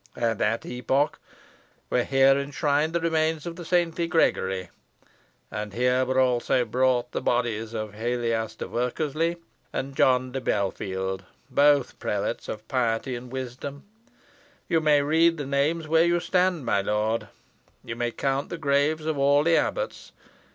At that epoch were here enshrined the remains of the saintly Gregory, and here were also brought the bodies of Helias de Workesley and John de Belfield, both prelates of piety and wisdom. You may read the names where you stand, my lord. You may count the graves of all the abbots.